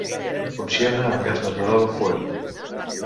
Funciona amb gas natural o fuel.